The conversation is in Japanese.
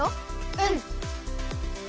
うん。